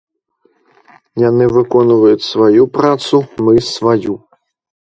Яны выконваюць сваю працу, мы сваю.